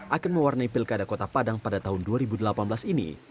akan mewarnai pilkada kota padang pada tahun dua ribu delapan belas ini